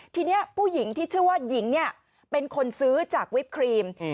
ทีนี้ผู้หญิงที่ชื่อว่าหญิงเนี่ยเป็นคนซื้อจากวิปครีม